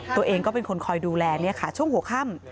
ตัวเองก็เป็นคนคอยดูแลช่วงหัวค่ำ